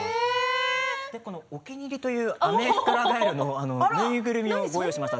お気に入りというアメフクラガエルのぬいぐるみをご用意しました。